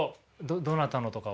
どなたのとかは？